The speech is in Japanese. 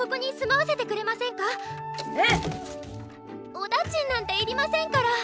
お駄賃なんていりませんから！